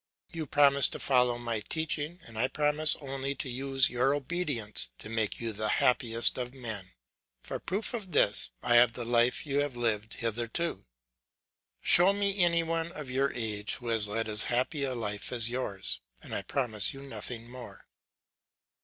You promise to follow my teaching, and I promise only to use your obedience to make you the happiest of men. For proof of this I have the life you have lived hitherto. Show me any one of your age who has led as happy a life as yours, and I promise you nothing more."